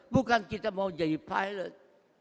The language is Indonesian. bukan kita mau jadi pilot